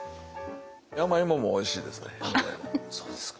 山芋もおいしいですね。